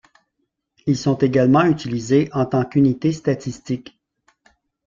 Ils sont également utilisés en tant qu'unité statistique.